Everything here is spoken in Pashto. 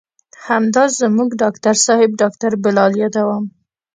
همدا زموږ ډاکتر صاحب ډاکتر بلال يادوم.